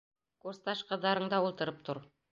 Курсташ ҡыҙҙарыңда ултырып тор.